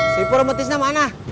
sipur mertisnya mana